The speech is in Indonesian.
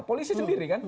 polisi sendiri kan